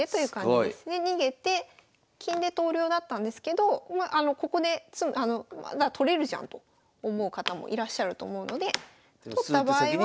で逃げて金で投了だったんですけどここで取れるじゃんと思う方もいらっしゃると思うので取った場合は。